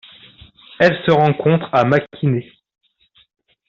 Elle se rencontre à Maquiné.